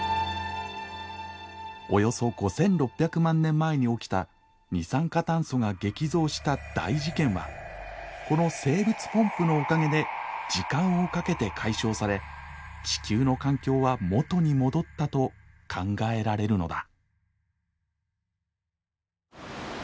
およそ５，６００万年前に起きた二酸化炭素が激増した大事件はこの生物ポンプのおかげで時間をかけて解消され地球の環境は元に戻ったと考えられるのだ。